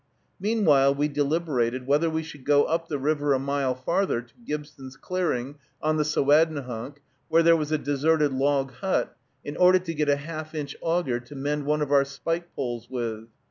Meanwhile we deliberated whether we should go up the river a mile farther, to Gibson's clearing, on the Sowadnehunk, where there was a deserted log hut, in order to get a half inch auger, to mend one of our spike poles with.